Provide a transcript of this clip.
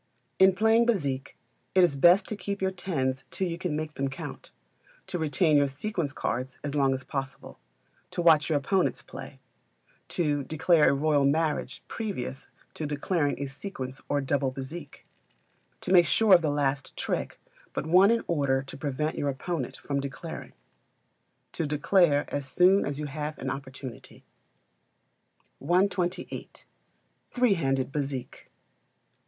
In playing Bézique, it is best to keep your tens till you can make them count; to retain your sequence cards as long as possible; to watch your opponent's play; to declare a royal marriage previous to declaring a sequence or double bezique; to make sure of the last trick but one in order to prevent your opponent from declaring; to declare as soon as you have an opportunity. 128. Three Handed Bezique.